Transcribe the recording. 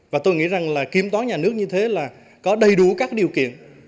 và tôi nghĩ rằng là kiểm toán nhà nước như thế là có đầy đủ các điều kiện